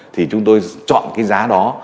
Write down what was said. thì chúng tôi chọn cái giá đó